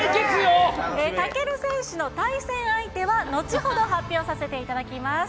武尊選手の対戦相手は後ほど発表させていただきます。